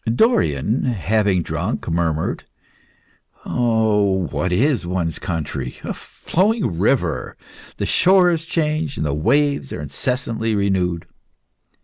Dorion, having drunk, murmured "What is one's country? A flowing river. The shores change, and the waves are incessantly renewed."